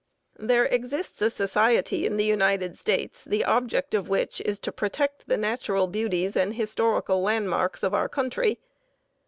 There exists a society in the United States the object of which is to protect the natural beauties and historical landmarks of our country.